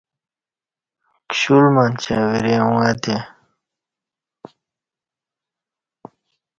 کشل منچے وری ا ݩگہ تے